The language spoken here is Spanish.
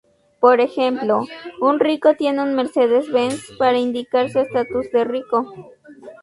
Por ejemplo: un rico tiene un Mercedes Benz para indicar su estatus de rico.